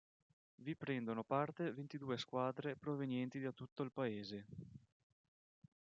Vi prendono parte ventidue squadre provenienti da tutto il paese.